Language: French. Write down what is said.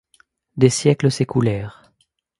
Des siècles s’écoulèrent.